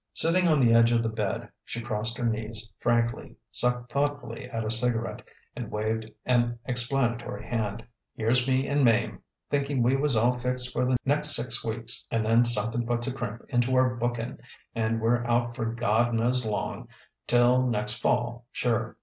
Sitting on the edge of the bed, she crossed her knees frankly, sucked thoughtfully at a cigarette, and waved an explanatory hand: "Here's me and Mame, thinking we was all fixed for the nex' six weeks, and then somethin' puts a crimp into our bookin' and we're out for Gawd knows how long till next Fall, sure.